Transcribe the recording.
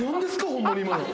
ホンマに今の。